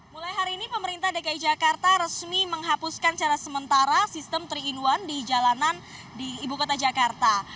mulai hari ini pemerintah dki jakarta resmi menghapuskan secara sementara sistem tiga in satu di jalanan di ibu kota jakarta